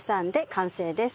完成です。